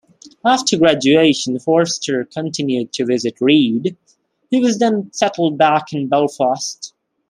After graduation Forster continued to visit Reid, who was then settled back in Belfast.